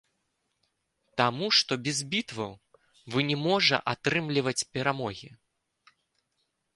Таму, што без бітваў вы не можа атрымліваць перамогі.